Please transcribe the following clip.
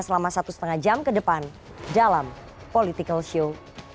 selama satu setengah jam ke depan dalam political show